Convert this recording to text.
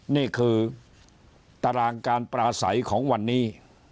นี่คือตารางการปราศัยของวันนี้